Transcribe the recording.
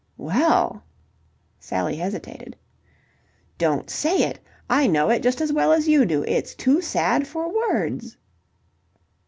"Well..." Sally hesitated. "Don't say it! I know it just as well as you do. It's too sad for words."